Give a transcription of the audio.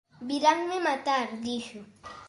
Viranme matar! -dixo.